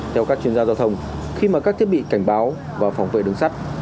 theo các chuyên gia giao thông khi mà các thiết bị cảnh báo và phòng vệ đường sắt